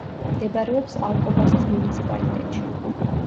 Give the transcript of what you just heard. მდებარეობს ალკობასის მუნიციპალიტეტში.